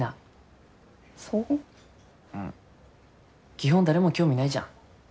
基本誰も興味ないじゃん。